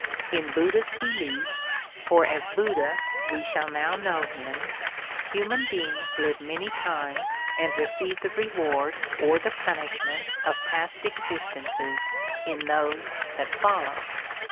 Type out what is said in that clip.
In Buddha's belief (for as Buddha we shall now know him), human beings live many times and receive the reward or the punishment of past existences in those that follow.